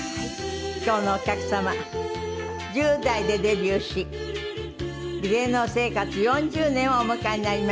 今日のお客様１０代でデビューし芸能生活４０年をお迎えになりました。